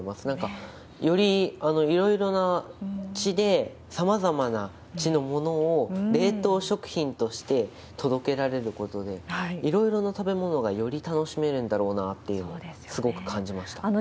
なんかよりいろいろな地でさまざまな地のものを冷凍食品として届けられることで、いろいろな食べ物がより楽しめるんだろうなっていうのをすごく感じました。